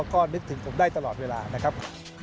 ก็นึกถึงผมได้ตลอดเวลานะครับ